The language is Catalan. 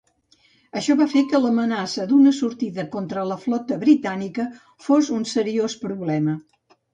Això va fer que l'amenaça d'una sortida contra la flota britànica fos un seriós problema.